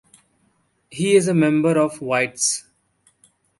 He is a member of White's.